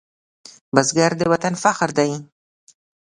بزګر د وطن فخر دی